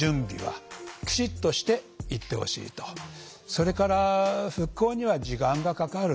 それから復興には時間がかかる。